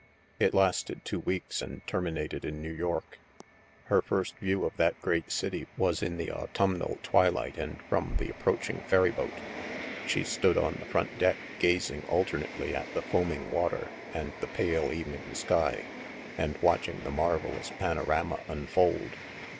It lasted two weeks and terminated in New York. Her first view of that great city was in the autumnal twilight and from the approaching ferryboat. She stood on the front deck, gazing alternately at the foaming water and the pale evening sky, and watch ing the marvelous panorama unfold.